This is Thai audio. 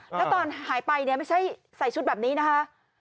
แล้วตอนหายไปเนี่ยไม่ใช่ใส่ชุดแบบนี้นะคะ